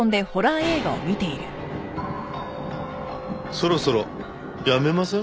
「」そろそろやめません？